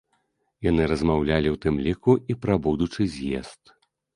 Яны размаўлялі ў тым ліку і пра будучы з'езд.